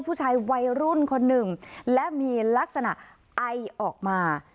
ผู้ชายวัยรุ่นคนหนึ่งและมีลักษณะไอออกมา